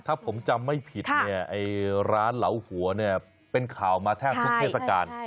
ถ้าผมจำไม่ผิดเนี่ยไอ้ร้านเหลาหัวเนี่ยเป็นข่าวมาแทบทุกเทศกาล